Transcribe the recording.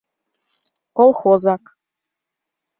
— Колхозак.